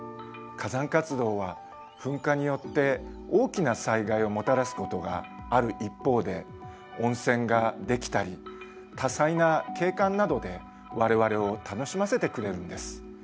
火山活動は噴火によって大きな災害をもたらすことがある一方で温泉ができたり多彩な景観などで我々を楽しませてくれるんです。